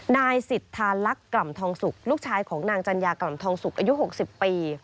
นายสิทธาลักษณ์กล่ำทองสุกลูกชายของนางจัญญากล่ำทองสุกอายุ๖๐ปี